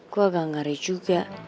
gue agak ngeri juga